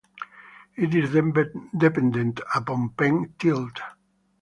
It is dependent upon pen tilt.